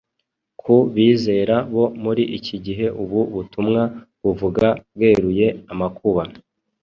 Ku bizera bo muri iki gihe ubu butumwa buvuga bweruye amakuba